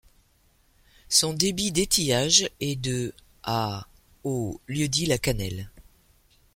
Son débit d'étiage est de à au lieu-dit la Cannelle.